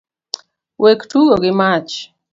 Wek tugo gi mach.